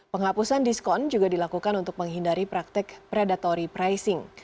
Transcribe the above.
penghapusan diskon juga dilakukan untuk menghindari praktek predatory pricing